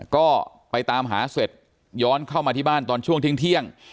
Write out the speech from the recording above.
ก็ไปตามหาเสร็จย้อนเข้ามาที่บ้านตอนช่วงเที่ยง